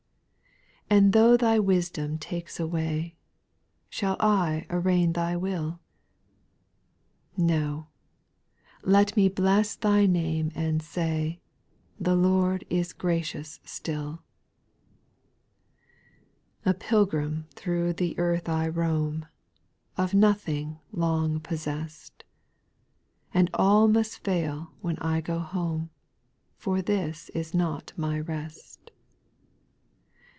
And though Thy wisdom takes away, Shall I arraign Thy will ? No 1 let me bless Thy name and say, " The Lord is gracious still." 6. A pilgrim through the earth I roam. Of nothing long possessed ; And all must fail when I go home, For this is not my rest.